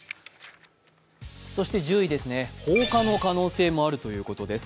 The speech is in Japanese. そして１０位です、放火の可能性もあるということです